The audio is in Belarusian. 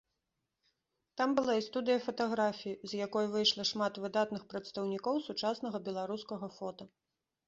Там была і студыя фатаграфіі, з якой выйшла шмат выдатных прадстаўнікоў сучаснага беларускага фота.